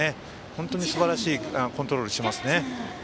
本当にすばらしいコントロールしてますね。